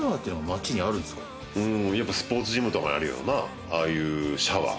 スポーツジムとかにあるような、ああいうシャワー。